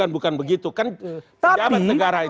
bukan begitu kan jabat negara itu